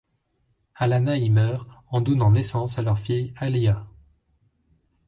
Alanna y meurt en donnant naissance à leur fille Aleea.